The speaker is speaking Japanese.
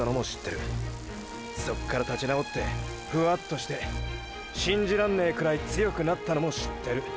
そっから立ち直ってフワッとして信じらんねェくらい強くなったのも知ってる。